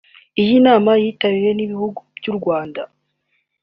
Iyi nama yitabiriwe n’ibihugu by’u Rwanda